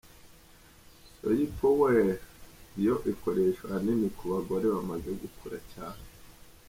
Soyi Power yo ikoreshwa ahanini ku bagore bamaze gukura cyane.